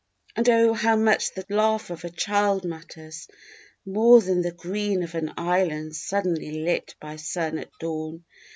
_ _And oh how much the laugh of a child matters: More than the green of an island suddenly lit by sun at dawn.